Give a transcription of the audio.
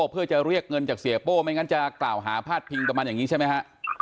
เพื่อจะเรียกเงินจากเสียโป้ไม่งั้นจะกล่าวหาพาดพิงกับมันอย่างนี้ใช่ไหมฮะ